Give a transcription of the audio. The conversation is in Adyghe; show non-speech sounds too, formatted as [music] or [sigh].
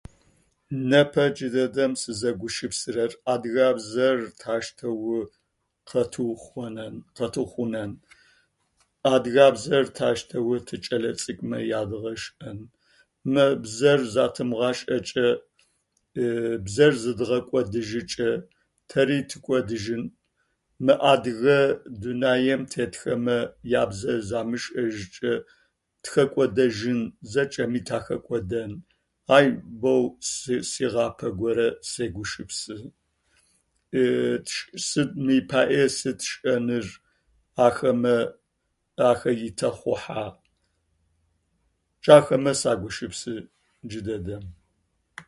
Непэ джы дэдэм сызэгушыпсэрэр, адыгабзэр тащтэу къатыухъонэн къэтыухъунэн. Адыгабзэр тащтэу тикӏэлэцӏыкӏумэ ядгъэшӏэн. Мы бзэр затымгъашӏэкӏэ [hesitation] бзэр зыдгъэкӏодыжьыкӏэ тэри тыкӏодыжьын. Мы адыгэ дунаем тетхэмэ ябзэ замышӏэжькӏэ тыхэкӏодэжьын, зэкӏэми тахэкӏодэн. Ай боу сы сыгъапэ горэ сэгушыпсы. [hesitation] Сыд мы паӏэ [noise] сыд тшӏэныр ахэмэ, ахэ итэхъухьэгъ. Джахэмэ сагушыпсы джы дэдэм.